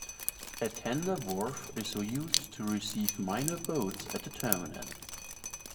A tender wharf is used to receive minor boats at the terminal.